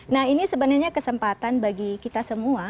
nah ini sebenarnya kesempatan bagi kita semua